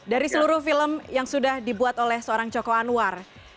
dari seluruh film yang sudah dibuat oleh seorang joko anwar